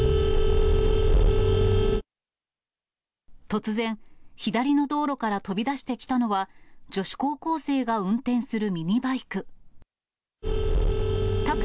突然、左の道路から飛び出してきたのは、女子高校生が運転するミニバイク。